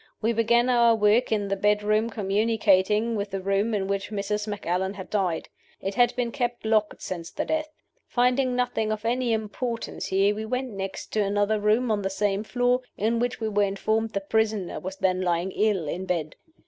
We began our work in the bedroom communicating with the room in which Mrs. Macallan had died. It had been kept locked since the death. Finding nothing of any importance here, we went next to another room on the same floor, in which we were informed the prisoner was then lying ill in bed.